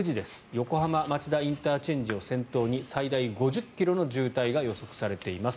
横浜町田ＩＣを先頭に最大５０ｋｍの渋滞が予測されています。